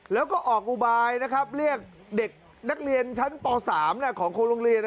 แล้วก็ออกอุบายนะครับเรียกเด็กนักเรียนชั้นป๓ของโรงเรียน